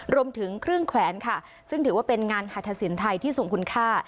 รวมถึงเครื่องแขวนค่ะซึ่งถือว่าเป็นงานหัฐศิลป์ไทยที่ทรงคุณค่า